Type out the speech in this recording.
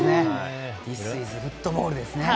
ディスイズフットボールですね。